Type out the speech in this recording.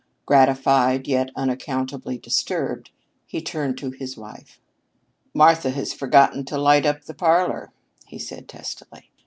Gratified, yet unaccountably disturbed, he turned to his wife. "Martha has forgotten to light up the parlor," he said testily.